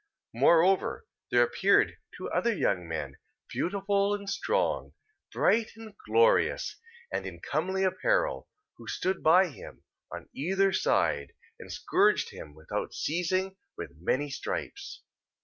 3:26. Moreover there appeared two other young men, beautiful and strong, bright and glorious, and in comely apparel: who stood by him, on either side, and scourged him without ceasing with many stripes.